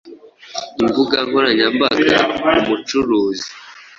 imbuga nkoranyambaga, umucuruzi